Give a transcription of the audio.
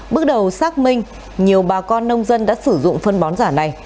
bước đầu xác minh nhiều bà con nông dân đã sử dụng phân bón giả này